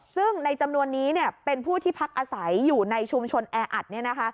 ซึ่งในจำนวนนี้เป็นผู้ที่พักอาศัยอยู่ในชุมชนแออัด